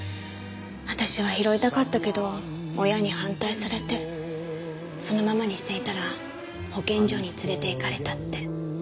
私は拾いたかったけど親に反対されてそのままにしていたら保健所に連れて行かれたって。